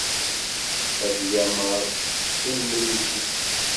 Ad yameṛ i lmuluk-is.